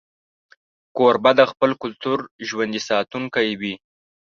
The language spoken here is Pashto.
کوربه د خپل کلتور ژوندي ساتونکی وي.